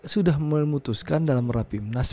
sudah memutuskan dalam rapimnas